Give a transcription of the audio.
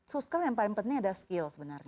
suscal yang paling penting ada skill sebenarnya